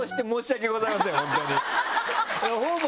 ほぼ。